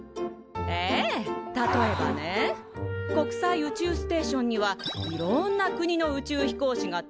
ええ例えばね国際宇宙ステーションにはいろんな国の宇宙飛行士がたいざいするでしょ？